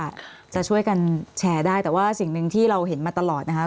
ครอบครัวคิดว่าจะช่วยกันแชร์ได้แต่ว่าสิ่งนึงที่เราเห็นมาตลอดนะคะ